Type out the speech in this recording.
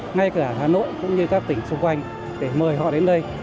ngay cả hà nội cũng như các tỉnh xung quanh để mời họ đến đây